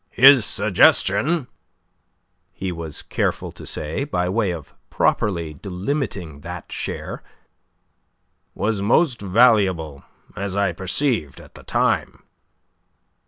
"His suggestion," he was careful to say, by way of properly delimiting that share, "was most valuable, as I perceived at the time."